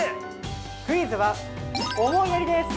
クイズは思いやりです。